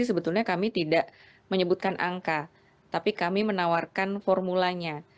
sebetulnya kami tidak menyebutkan angka tapi kami menawarkan formulanya